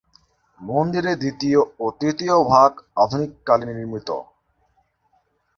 মন্দিরের দ্বিতীয় ও তৃতীয় ভাগ আধুনিককালে নির্মিত।